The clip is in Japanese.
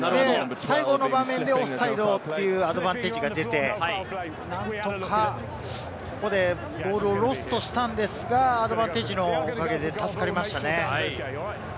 最後の場面でオフサイドというアドバンテージが出て、ここでボールをロストしたんですが、アドバンテージのおかげで助かりましたね。